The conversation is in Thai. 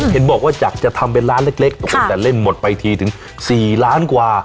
เห็นบอกว่าจากจะทำเป็นร้านเล็กแต่เล่นหมดไปทีถึง๔ล้านกว่า